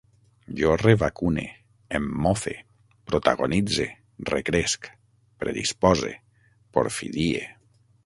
Jo revacune, em mofe, protagonitze, recresc, predispose, porfidie